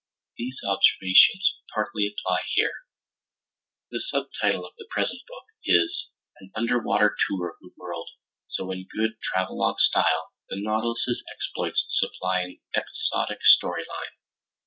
These observations partly apply here. The subtitle of the present book is An Underwater Tour of the World, so in good travelog style, the Nautilus's exploits supply an episodic story line.